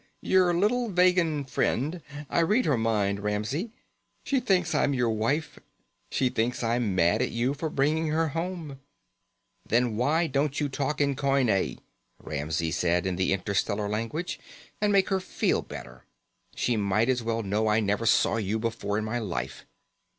"Your little Vegan friend. I read her mind, Ramsey. She thinks I'm your wife. She thinks I'm mad at you for bringing her home." "Then why don't you talk in Coine," Ramsey said in the interstellar language, "and make her feel better? She might as well know I never saw you before in my life."